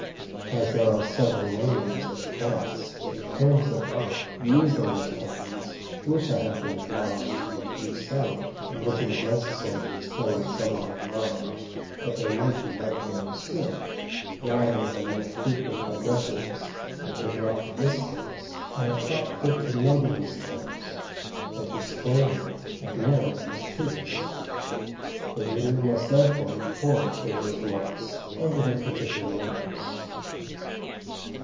As there are several Names of Plants, and Terms of Art used in those Countries, which I have been obliged to make use of, and which it was necessary to explain somewhat at large, that they might be rightly understood; rather than make frequent Digressions, and interrupt the Discourse, I have thought fit to number these Terms, and to explain them at the End of this Treatise: the Reader must therefore look forward for those Remarks under their particular Numbers.